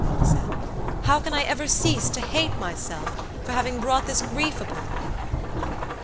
he said; "how can I ever cease to hate myself for having brought this grief upon you?"